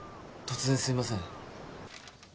突然すいません